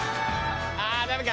あダメか。